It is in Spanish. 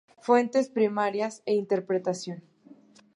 Fuentes primarias e interpretación".